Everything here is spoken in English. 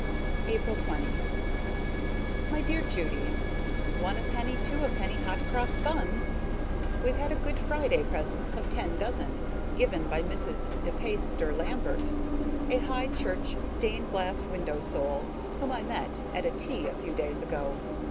April 20. My dear Judy: One a penny, two a penny, hot cross buns! We've had a Good Friday present of ten dozen, given by Mrs. De Peyster Lambert, a high church, stained glass window soul whom I met at a tea a few days ago.